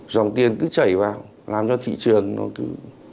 dòng tiền cứ chảy vào làm cho thị trường nó cứ